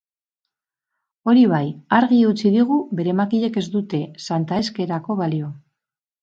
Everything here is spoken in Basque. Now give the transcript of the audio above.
Hori bai, argi utzi digu bere makilek ez dute santa eskerako balio.